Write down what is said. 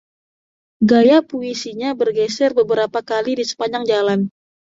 Gaya puisinya bergeser beberapa kali di sepanjang jalan.